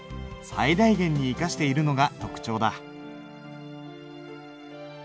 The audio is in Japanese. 最大限に生かしているのが特徴だ。